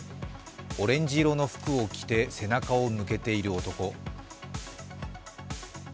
オレンジ色の服を着て、背中を向けている男。